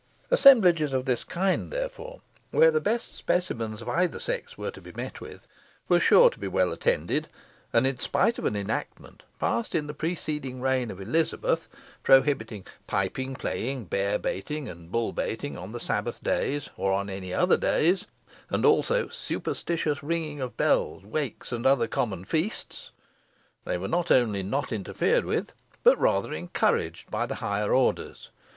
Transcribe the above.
Assemblages of this kind, therefore, where the best specimens of either sex were to be met with, were sure to be well attended, and in spite of an enactment passed in the preceding reign of Elizabeth, prohibiting "piping, playing, bear baiting, and bull baiting on the Sabbath days, or on any other days, and also superstitious ringing of bells, wakes, and common feasts," they were not only not interfered with, but rather encouraged by the higher orders.